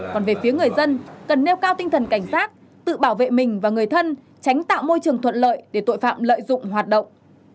còn về phía người dân cần nêu cao tinh thần cảnh sát tự bảo vệ mình và người thân tránh tạo môi trường thuận lợi để tội phạm lợi dụng hoạt động